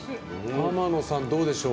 天野さん、どうでしょう？